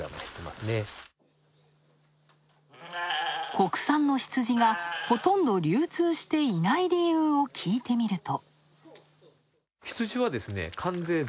国産の羊がほとんど流通していない理由を聞いてみると。